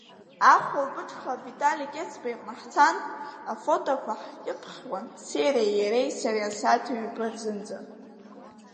Ахәылбыҽха Витали Қьецба иҟны ҳцан, афотоқәа ҳкьыԥхьуан Циреи, иареи, сареи асааҭ ҩба рзынӡа.